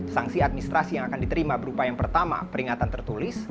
sanksi administrasi yang akan diterima berupa yang pertama peringatan tertulis